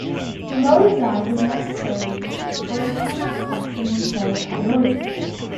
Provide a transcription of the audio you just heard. The motor drive is necessary for the camera to function in shutter priority.